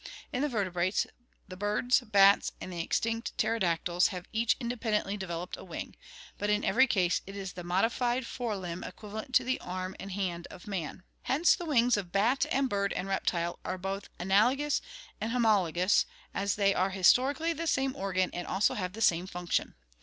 In the vertebrates, the birds, bats, and the extinct pterodactyls have each independently developed a wing, but in every case it is the modified fore limb equivalent to the arm and 152 ORGANIC EVOLUTION hand of man. Hence the wings of bat and bird and reptile are both analogous and homologous, as they are historically the same organ and also have the same function.